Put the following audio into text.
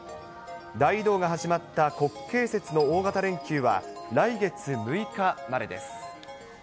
大移動が始まった国慶節の大型連休は、来月６日までです。